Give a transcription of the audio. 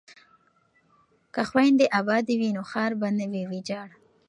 که خویندې ابادې وي نو ښار به نه وي ویجاړ.